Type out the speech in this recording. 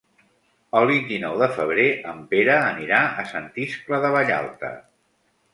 El vint-i-nou de febrer en Pere anirà a Sant Iscle de Vallalta.